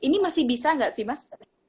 ini masih bisa nggak sih mas